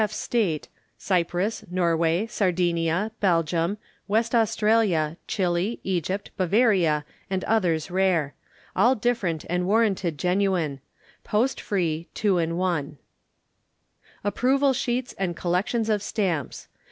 F. State, Cyprus, Norway, Sardinia, Belgium, West Australia, Chili, Egypt, Bavaria, and others rare. All different and warranted genuine. Post free, 2/1. Approval Sheets and Collections of Stamps.